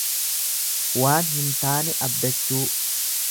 Waan hin taane abdachuu.